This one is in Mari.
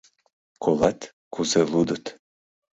Колат, кузе лудыт...